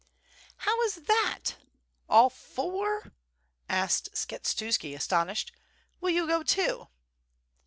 "How is that! all four?" asked Skshetusb', astonished, "will you go, too?"